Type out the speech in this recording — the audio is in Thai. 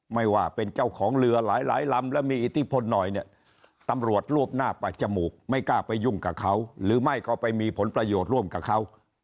ไม่ว่าเป็นเจ้าของเรือหลายหลายลำและมีอิทธิพลหน่อยเนี่ยตำรวจรวบหน้าปากจมูกไม่กล้าไปยุ่งกับเขาหรือไม่ก็ไปมีผลประโยชน์ร่วมกับเขา